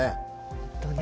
本当ね。